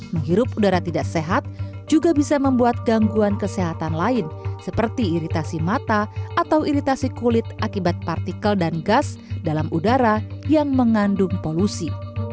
menghirup udara tidak sehat juga bisa membuat gangguan kesehatan lain seperti iritasi mata atau iritasi kulit akibat partikel dan gas dalam udara yang mengandung polusi